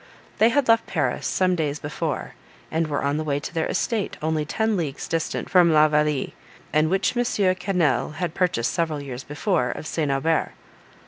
They had left Paris some days before, and were on the way to their estate, only ten leagues distant from La Vallée, and which Monsieur Quesnel had purchased several years before of St. Aubert.